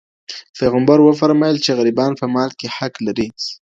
پېغمبر وفرمایل چي غریبان په مال کي حق لري.